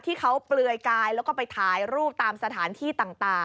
ที่เขาเปลือยกายแล้วก็ไปถ่ายรูปตามสถานที่ต่าง